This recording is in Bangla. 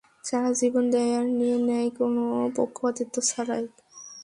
তারা জীবন দেয় আর নিয়ে নেয় কোনো পক্ষপাতিত্ব ছাড়াই।